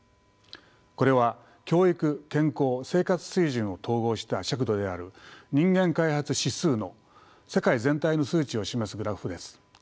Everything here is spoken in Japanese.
これは教育健康生活水準を統合した尺度である人間開発指数の世界全体の数値を示すグラフです。